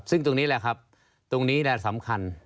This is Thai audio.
ซึ่งตรงนี้แหละครับตรงนี้สำคัญ